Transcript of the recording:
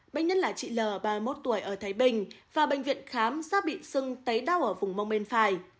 bệnh nhân là chị l ba mươi một tuổi ở thái bình và bệnh viện khám sát bị sưng tấy đau ở vùng mông bên phải